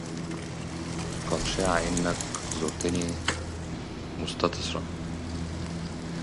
قد شاع أنك زرتني متسترا